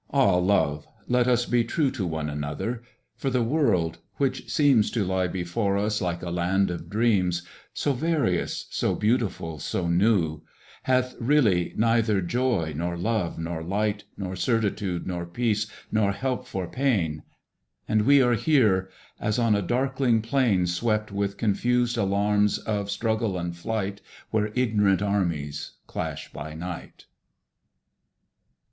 Ah, love, let us be true To one another! for the world, which seems To lie before us like a land of dreams, So various, so beautiful, so new, Hath really neither joy, nor love, nor light, Nor certitude, nor peace, nor help for pain; And we are here as on a darkling plain Swept with confused alarms of struggle and flight, Where ignorant armies clash by night.